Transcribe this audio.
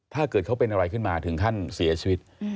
ถ้าเกิดเขาเป็นอะไรขึ้นมาถึงขั้นเสียชีวิต